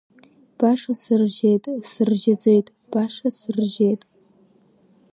Баша сыржьеит, сыржьаӡеит, баша сыржьеит.